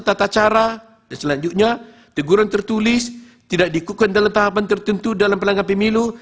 tata cara dan selanjutnya teguran tertulis tidak dikukukan dalam tahapan tertentu dalam pelanggan pemilu